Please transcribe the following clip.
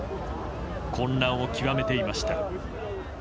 混乱を極めていました。